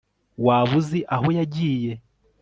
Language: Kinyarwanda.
waba uzi aho yagiye